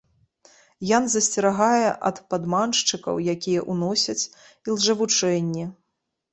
Ян засцерагае ад падманшчыкаў, якія ўносяць ілжэвучэнні.